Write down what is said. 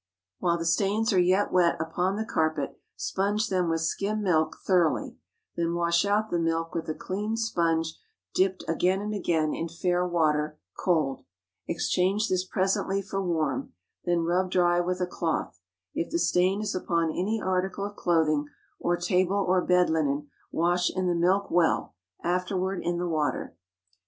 While the stains are yet wet upon the carpet, sponge them with skim milk thoroughly. Then wash out the milk with a clean sponge dipped again and again in fair water, cold. Exchange this presently for warm; then rub dry with a cloth. If the stain is upon any article of clothing, or table, or bed linen, wash in the milk well, afterward in the water.